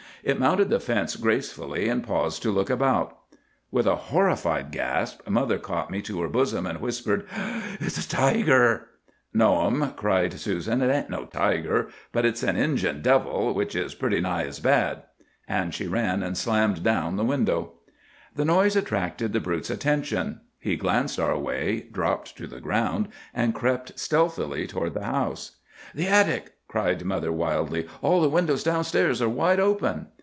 It mounted the fence gracefully, and paused to look about. "With a horrified gasp, mother caught me to her bosom, and whispered,— "'It's a tiger!' "'No'm,' cried Susan, 'it ain't no tiger; but it's an Injun devil, which is pretty nigh as bad.' And she ran and slammed down the window. "The noise attracted the brute's attention. He glanced our way, dropped to the ground, and crept stealthily toward the house. "'The attic!' cried mother wildly. 'All the windows down stairs are wide open.